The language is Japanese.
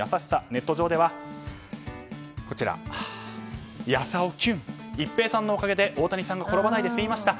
ネット上では優男きゅん一平さんのおかげで大谷さんが転ばないで済みました。